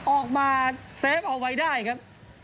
ออกมาเซฟเอาไว้ได้ครับ